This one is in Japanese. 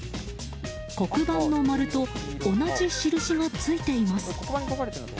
黒板の丸と同じ印がついています。